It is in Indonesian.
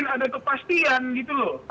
ada kepastian gitu loh